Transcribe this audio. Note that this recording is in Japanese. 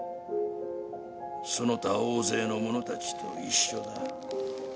その他大勢の者たちと一緒だ。